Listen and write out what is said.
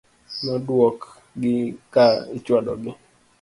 Nodwok gi ka ichwado gi .